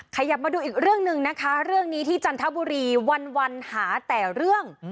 ขยับมาดูอีกเรื่องหนึ่งนะคะเรื่องนี้ที่จันทบุรีวันหาแต่เรื่อง